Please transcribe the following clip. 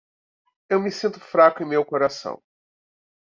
Eu me sinto fraco em meu coração.